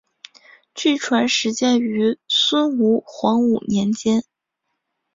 据传始建于孙吴黄武年间。